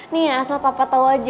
nih asal papa tau